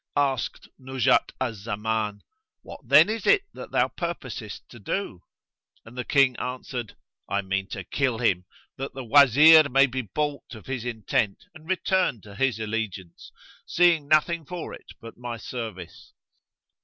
Asked Nuzhat al Zaman, "What then is it that thou purposest to do?"; and the King answered, "I mean to kill him, that the Wazir may be baulked of his intent and return to his allegiance, seeing nothing for it but my service."